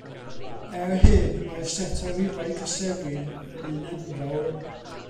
Er hyn, mae'r set o rifau cysefin yn un enfawr.